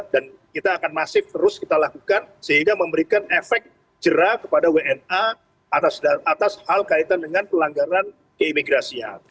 dan kita akan masih terus kita lakukan sehingga memberikan efek jerah kepada wna atas hal kaitan dengan pelanggaran keimigrasian